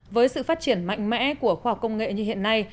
với sự phát triển mạnh mẽ của khoa học công nghệ như hiện nay